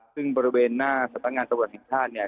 ซึ่งบริเวณหน้าสตรงงานตระบวนศนิษฐาเนี่ย